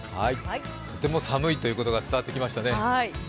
とても寒いということが伝わってきましたね。